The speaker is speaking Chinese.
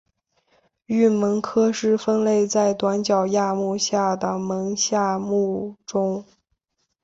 鹬虻科是分类在短角亚目下的虻下目中。